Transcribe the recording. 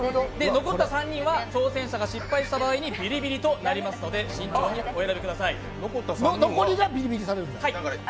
残った３人は挑戦者が失敗した場合にビリビリとなりますので、慎重にお選びください。